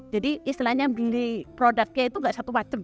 jadi istilahnya beli produknya itu gak satu macam